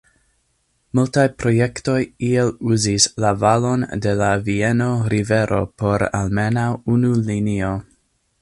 Multaj projektoj iel uzis la valon de la Vieno-rivero por almenaŭ unu linio.